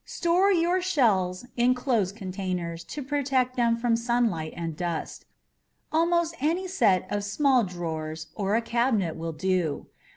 Store your shells in closed containers to protect them from sunlight and dust. Almost any set of small drawers or a cabinet will do.